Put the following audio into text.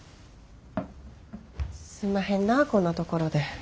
すんまへんなあこんなところで。